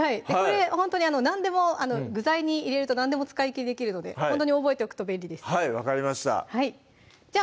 ほんとに何でも具材に入れると何でも使い切りできるのでほんとに覚えておくと便利ですはい分かりましたじゃ